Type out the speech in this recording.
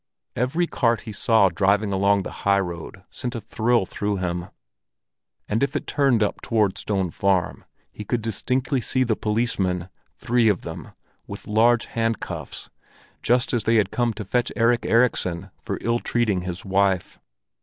Every cart he saw driving along the high road sent a thrill through him; and if it turned up toward Stone Farm, he could distinctly see the policemen—three of them—with large handcuffs, just as they had come to fetch Erik Erikson for ill treating his wife.